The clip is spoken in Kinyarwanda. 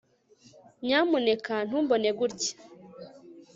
Nyamuneka ntumbone gutya